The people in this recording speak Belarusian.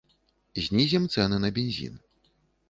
Знізім цэны на бензін.